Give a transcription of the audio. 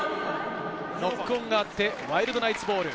ノックオンがあってワイルドナイツボール。